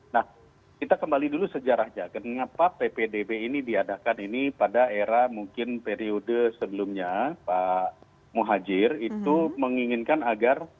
nah kita kembali dulu sejarahnya kenapa ppdb ini diadakan ini pada era mungkin periode sebelumnya pak muhajir itu menginginkan agar